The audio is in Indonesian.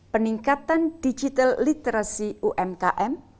peningkatan digital literasi umkm